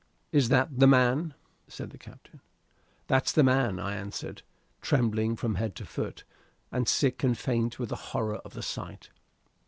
"Is that the man?" said the captain. "That's the man," I answered, trembling from head to foot, and sick and faint with the horror of the sight.